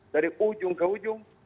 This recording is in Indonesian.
dari ujung ke ujung